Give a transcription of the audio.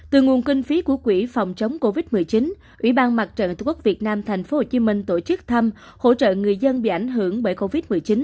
từ nguồn kinh phí của quỹ phòng chống covid một mươi chín ủy ban mặt trận tổ quốc việt nam thành phố hồ chí minh tổ chức thăm hỗ trợ người dân bị ảnh hưởng bởi covid một mươi chín